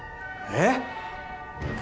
えっ！？